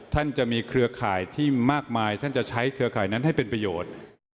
ท่านจะมีเครือข่ายที่มากมายท่านจะใช้เครือข่ายนั้นให้เป็นประโยชน์